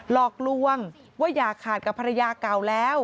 หลอกลวงว่าอย่าขาดกับภรรยาเก่าแล้ว